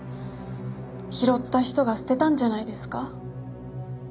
拾った人が捨てたんじゃないですか？